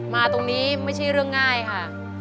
มาตรงนี้ไม่ใช่เรื่องง่ายค่ะ